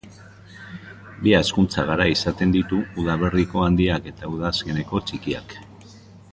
Bi hazkuntza garai izaten ditu, udaberriko handiak eta udazkeneko txikiak.